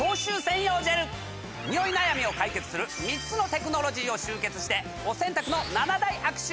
ニオイ悩みを解決する３つのテクノロジーを集結してお洗濯の。